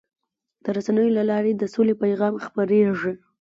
د رسنیو له لارې د سولې پیغام خپرېږي.